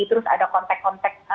terus ada kontak kontak